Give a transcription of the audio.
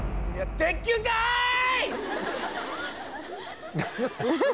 鉄球かい！